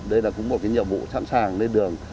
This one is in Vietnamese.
đây là cũng một nhiệm vụ sẵn sàng lên đường